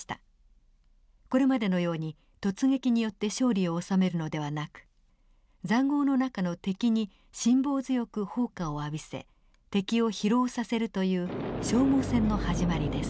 これまでのように突撃によって勝利を収めるのではなく塹壕の中の敵に辛抱強く砲火を浴びせ敵を疲労させるという消耗戦の始まりです。